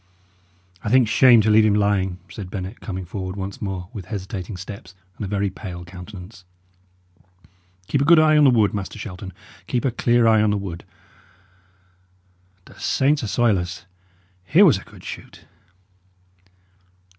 "I think shame to leave him lying," said Bennet, coming forward once more with hesitating steps and a very pale countenance. "Keep a good eye on the wood, Master Shelton keep a clear eye on the wood. The saints assoil us! here was a good shoot!"